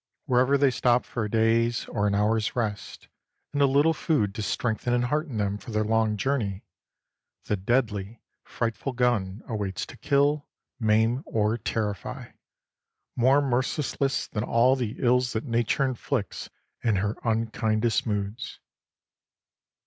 Wherever they stop for a day's or an hour's rest, and a little food to strengthen and hearten them for their long journey, the deadly, frightful gun awaits to kill, maim, or terrify, more merciless than all the ills that nature inflicts in her unkindest moods.